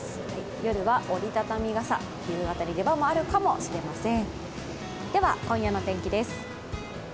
夜は折り畳み傘、夕方も出番があるかもしれません。